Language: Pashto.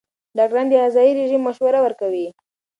ډاکټران د غذايي رژیم مشوره ورکوي.